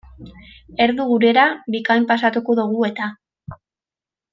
Erdu gurera bikain pasatuko dugu eta.